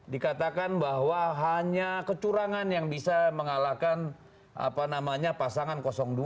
dikatakan bahwa hanya kecurangan yang bisa mengalahkan pasangan dua